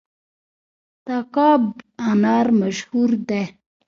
تګاب انار مشهور دي؟